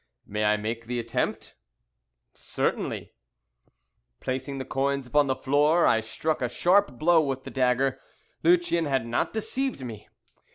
"May I make the attempt?" "Certainly." Placing the coins upon the floor, I struck a sharp blow with the dagger. Lucien had not deceived me.